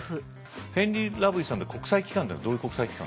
ヘンリー・ラブイスさんって国際機関ってのはどういう国際機関？